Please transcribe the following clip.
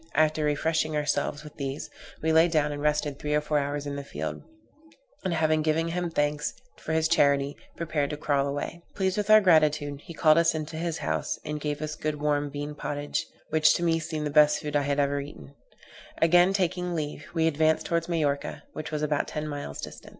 After refreshing ourselves with these, we lay down and rested three or four hours in the field; and, having given him thanks for his charity, prepared to crawl away. Pleased with our gratitude, he called us into his house, and gave us good warm bean pottage, which to me seemed the best food I had ever ate. Again taking leave, we advanced towards Majorca, which was about ten miles distant.